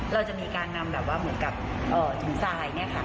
เราจะมีการนำแบบว่าเหมือนกับหินทรายเนี่ยค่ะ